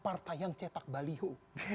partai yang cetak baliho